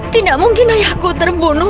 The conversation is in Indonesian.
tidak mungkin ayahku terbunuh